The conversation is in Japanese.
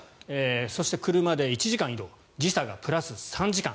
そして車で１時間移動時差が３時間。